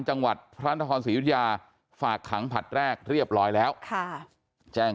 จังหวัดพระราชธรรมศรีวิทยาฯฝากขังผัดแรกเรียบร้อยแล้วแจ้ง